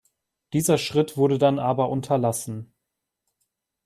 Dieser Schritt wurde dann aber unterlassen.